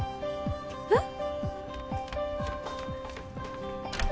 えっ？